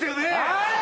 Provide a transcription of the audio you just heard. はい！